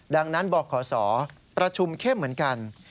ดังนั้นบขศประชุมเข้มเหมือนกัน